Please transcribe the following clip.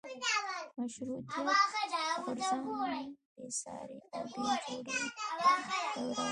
مشروطیت غورځنګ بېسارې او بې جوړې دوره وه.